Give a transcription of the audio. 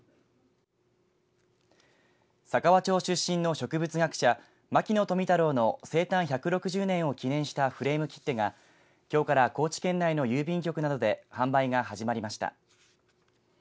佐川町出身の植物学者牧野富太郎の生誕１６０年を記念したフレーム切手がきょうから高知県内の郵便局などで販売が始まりました。